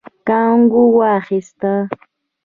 کانګو واخيست.